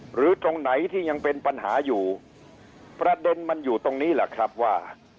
ตรงไหนที่ยังเป็นปัญหาอยู่ประเด็นมันอยู่ตรงนี้แหละครับว่า